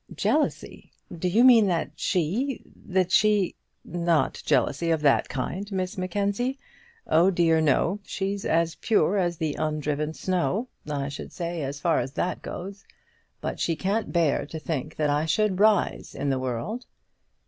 "Jealousy! Do you mean that she that she " "Not jealousy of that kind, Miss Mackenzie. Oh dear, no. She's as pure as the undriven snow, I should say, as far as that goes. But she can't bear to think that I should rise in the world."